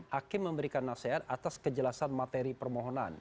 hakim memberikan nasihat atas kejelasan materi permohonan